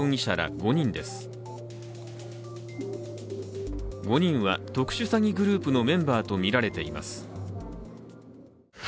５人は、特殊詐欺グループのメンバーとみられています。